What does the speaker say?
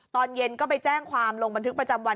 ตอนเย็นก็ไปแจ้งความลงบันทึกประจำวัน